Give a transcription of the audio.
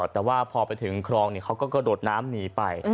แต่ว่าพอไปถึงคลองเขาก็กระโดดน้ำหนีไป